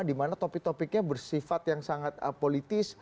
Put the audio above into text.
di mana topik topiknya bersifat yang sangat politis